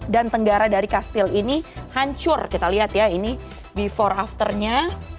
dan tenggara dari kastil ini hancur kita lihat ya ini before afternya